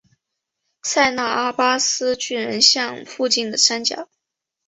塞那阿巴斯巨人像附近的山脚。